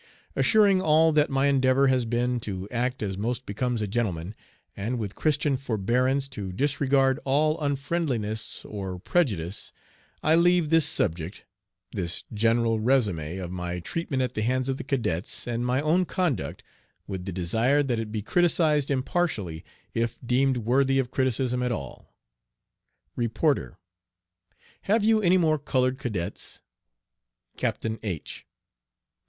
Assuring all that my endeavor has been to act as most becomes a gentleman, and with Christian forbearance to disregard all unfriendliness or prejudice, I leave this subject, this general résumé of my treatment at the hands of the cadets, and my own conduct, with the desire that it be criticised impartially if deemed worthy of criticism at all. "Reporter. Have you any more colored cadets? "Captain H